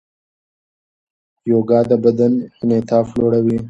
یوګا د بدن انعطاف لوړوي.